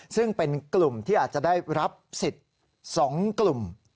ซึ่งเป็นกลุ่มที่อาจจะได้รับสิทธิ์๒กลุ่ม